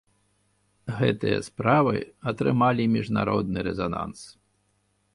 Гэтыя справы атрымалі міжнародны рэзананс.